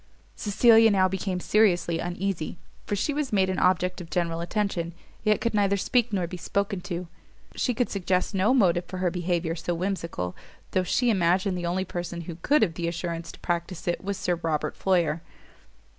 Cecilia now became seriously uneasy; for she was made an object of general attention, yet could neither speak nor be spoken to. She could suggest no motive for behaviour so whimsical, though she imagined the only person who could have the assurance to practise it was Sir Robert Floyer.